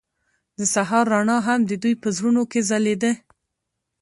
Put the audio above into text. د سهار رڼا هم د دوی په زړونو کې ځلېده.